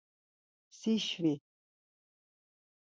Si şvi.